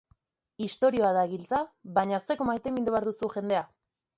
Istorioa da giltza, baina zeuk maitemindu behar duzu jendea.